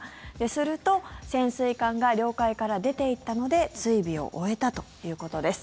すると、潜水艦が領海から出ていったので追尾を終えたということです。